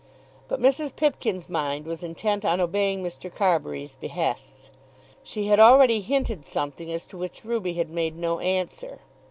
But Mrs. Pipkin's mind was intent on obeying Mr. Carbury's behests. She had already hinted something as to which Ruby had made no answer.